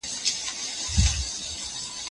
څوک چې بې ننګه راته وايي وژاړمه